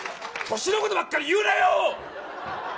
年のことばっかり言うなよ！